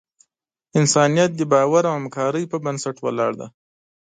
انسانیت د باور او همکارۍ پر بنسټ ولاړ دی.